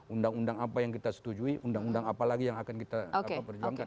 undang undang apa yang kita setujui undang undang apa lagi yang akan kita perjuangkan